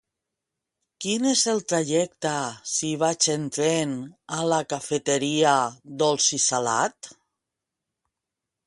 Quin és el trajecte si vaig en tren a la cafeteria Dolç i Salat?